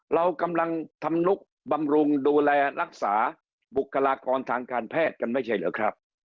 เรากำลังทำนุกบำรุงดูแลรักษาบุคลากรทางการแพทย์กันไม่ใช่เหรอครับ